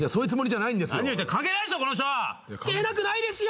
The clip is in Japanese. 関係なくないですよ！